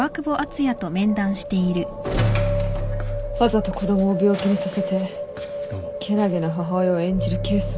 わざと子供を病気にさせてけなげな母親を演じるケースもある。